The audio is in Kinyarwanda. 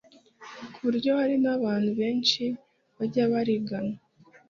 ku buryo hari n’abantu benshi bajyaga barigana